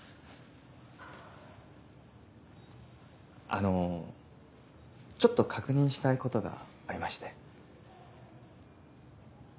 あのちょっと確認したいことがありまして。